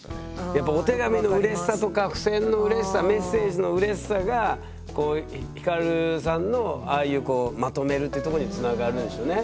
やっぱお手紙のうれしさとか付箋のうれしさメッセージのうれしさがヒカルさんのああいうまとめるってとこにつながるんでしょうね。